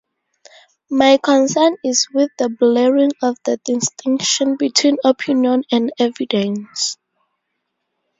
My concern is with the blurring of the distinction between opinion and evidence.